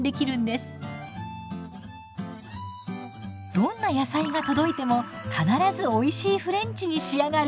どんな野菜が届いても必ずおいしいフレンチに仕上がる！